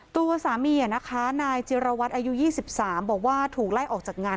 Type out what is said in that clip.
ตัวสามีนะคะนายจิรวัตรอายุ๒๓บอกว่าถูกไล่ออกจากงาน